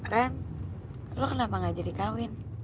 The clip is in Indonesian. kan lo kenapa gak jadi kawin